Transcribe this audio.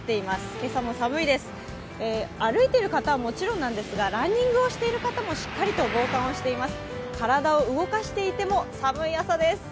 今朝も寒いです、歩いている方、もちろんなんですがランニングをしている方もしっかりと防寒しています。